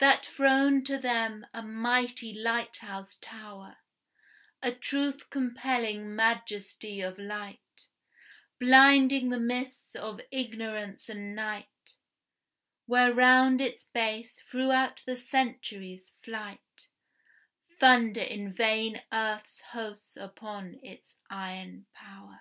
That throne to them a mighty lighthouse tower, A truth compelling majesty of light, Blinding the mists of ignorance and night, Where round its base throughout the centuries' flight, Thunder in vain earth's hosts upon its iron power.